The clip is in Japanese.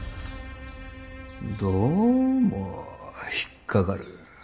どうも引っ掛かる。